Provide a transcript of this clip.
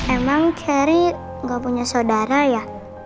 emang kerry gak punya saudara ya